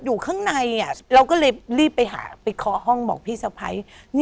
อยู่ข้างในอ่ะเราก็เลยรีบใยหาไปคอห้องบอกพี่สะไพย